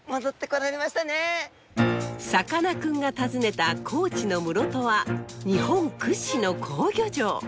さかなクンが訪ねた高知の室戸は日本屈指の好漁場！